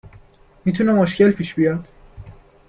.می تونه مشکل پیش بیاد